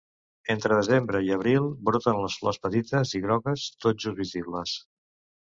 Entre desembre i abril broten les flors, petites i grogues, tot just visibles.